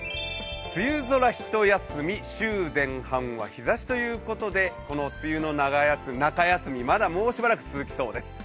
梅雨空ひと休み、週前半は日ざしということでこの梅雨の中休み、まだもうしばらく続きそうです。